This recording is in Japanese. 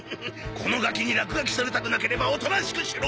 このガキに落書きされたくなければおとなしくしろ！